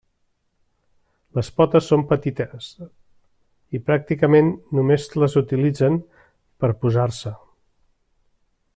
Les potes són petites i pràcticament només les utilitzen per a posar-se.